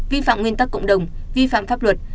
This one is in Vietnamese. vi phạm nguyên tắc cộng đồng vi phạm pháp luật